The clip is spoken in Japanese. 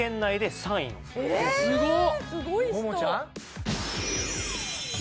・すごっ！